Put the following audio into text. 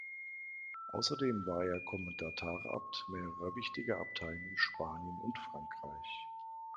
Außerdem war er Kommendatarabt mehrerer wichtiger Abteien in Spanien und Frankreich.